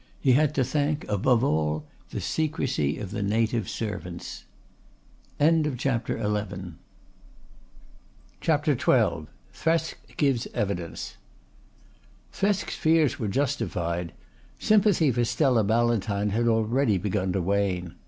He had to thank, above all, the secrecy of the native servants. CHAPTER XII THRESK GIVES EVIDENCE Thresk's fears were justified. Sympathy for Stella Ballantyne had already begun to wane.